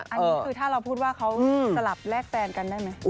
อันนี้คือถ้าเราพูดว่าเขาสลับแลกแฟนกันได้ไหม